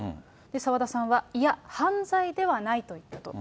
澤田さんは、いや、犯罪ではないと言ったと。